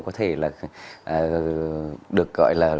có thể là được gọi là